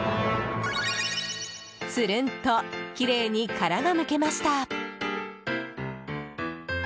つるんときれいに殻がむけました。